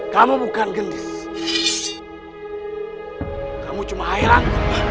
kamu bukan gendis kamu cuma hairan